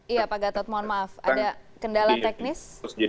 iya pak gatot mohon maaf ada kendala teknis